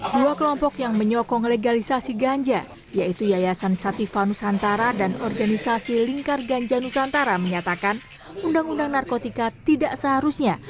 dua kelompok yang menyokong legalisasi ganja yaitu yayasan satifah nusantara dan organisasi lingkar ganja nusantara menyatakan undang undang narkotika tidak seharusnya